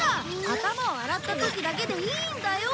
頭を洗った時だけでいいんだよ！